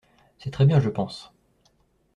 C’est très bien, je pense.